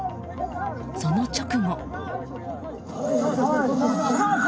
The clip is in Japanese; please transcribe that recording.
その直後。